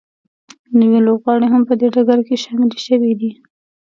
نوي لوبغاړي هم په دې ډګر کې شامل شوي دي